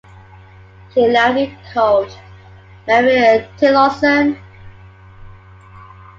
She loudly called, Mary Tillotson?